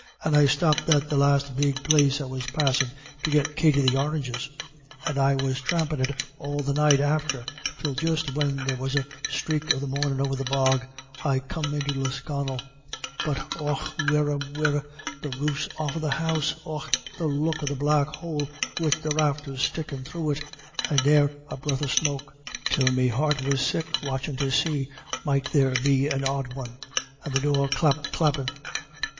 And I stopped at the last big place I was passin' to get Katty the oranges. And I was thrampin' it all the night after, till just when there was a sthrake of the mornin' over the bog, I come into Lisconnel. But och wirra wirra the roof's off of the house och the look of the black houle wid the rafters stickin' thro' it, and ne'er a breath of smoke, till me heart was sick watchin' to see might there be an odd one; and the door clap clappin'.